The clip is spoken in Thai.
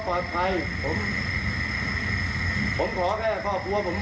พ่อหยิบมีดมาขู่จะทำร้ายแม่แล้วขังสองแม่